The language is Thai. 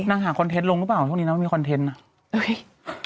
หาคอนเทนต์ลงหรือเปล่าช่วงนี้นางมีคอนเทนต์น่ะ